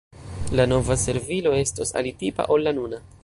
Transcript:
La nova servilo estos alitipa ol la nuna.